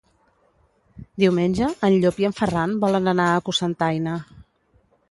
Diumenge en Llop i en Ferran volen anar a Cocentaina.